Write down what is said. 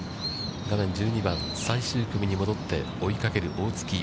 画面１２番、最終組に戻って追いかける大槻。